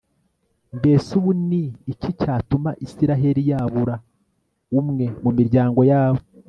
mbese ubu ni iki cyatuma israheli yabura umwe mu miryango yayo